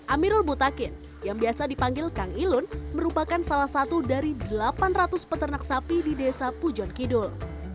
amirul butakin yang biasa dipanggil kang ilun merupakan salah satu dari delapan ratus peternak sapi di desa pujon kidul